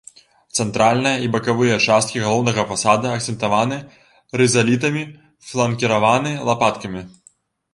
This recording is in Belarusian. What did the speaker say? Цэнтральная і бакавыя часткі галоўнага фасада акцэнтаваны рызалітамі, фланкіраваны лапаткамі.